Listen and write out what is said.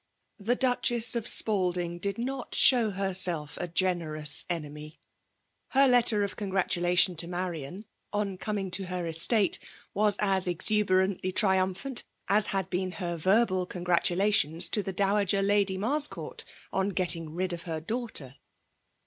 The Duchess of Spaldmg did not show herself a generous enemy. Her • letter of congratulation to Marian^ on coming to her estate, was as exuberantly triumptoat, as had been her verbal congratulations to ibe Dowager Lady Marscourt, on getting rid cf her daughter.